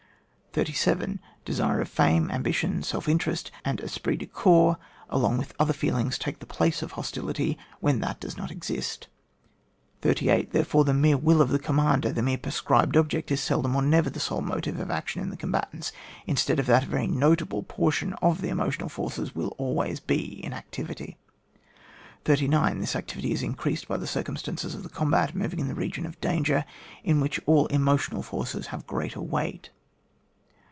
37. Desire of fame, ambition, self in terest, and esprit de corps, along with other feelings, take the place of hostility when that does not exist. 38. Therefore, the mere will of the commander, the mere prescribed object, is seldom or never the sole motive of action in the combatants ; instead of that, a very notable portion of the emotional forces will always be in activity. 39. This activity is increased by the circumstance of the combat moving in the region of danger, in which all emo tional forces have greater weight.